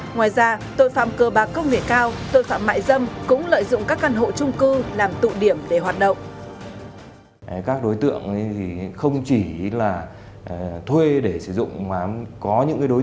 ngoài ra tội phạm cơ bạc công nghệ cao tội phạm mại dâm cũng lợi dụng các căn hộ trung cư làm tụ điểm để hoạt động